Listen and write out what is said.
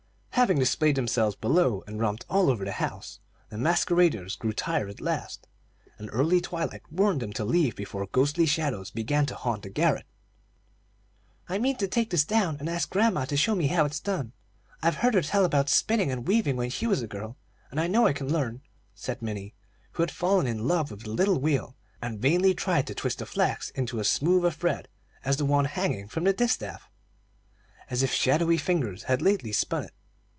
Having displayed themselves below and romped all over the house, the masqueraders grew tired at last, and early twilight warned them to leave before ghostly shadows began to haunt the garret. "I mean to take this down and ask grandma to show me how it's done. I've heard her tell about spinning and weaving when she was a girl, and I know I can learn," said Minnie, who had fallen in love with the little wheel, and vainly tried to twist the flax into as smooth a thread as the one hanging from the distaff, as if shadowy fingers had lately spun it.